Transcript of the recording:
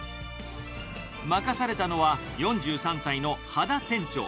任されたのは４３歳の秦店長。